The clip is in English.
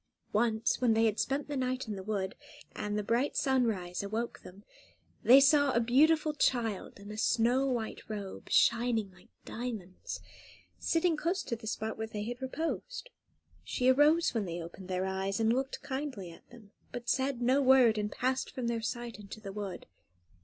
Once, when they had spent the night in the wood, and the bright sunrise awoke them, they saw a beautiful child, in a snow white robe, shining like diamonds, sitting close to the spot where they had reposed. She arose when they opened their eyes, and looked kindly at them; but said no word, and passed from their sight into the wood.